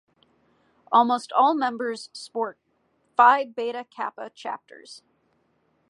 Almost all members sport Phi Beta Kappa chapters.